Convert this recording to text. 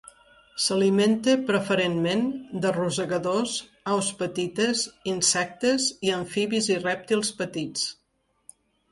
S'alimenta preferentment de rosegadors, aus petites, insectes i amfibis i rèptils petits.